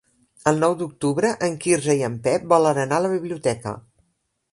El nou d'octubre en Quirze i en Pep volen anar a la biblioteca.